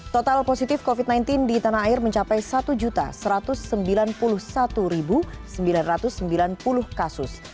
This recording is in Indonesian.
total positif covid sembilan belas di tanah air mencapai satu satu ratus sembilan puluh satu sembilan ratus sembilan puluh kasus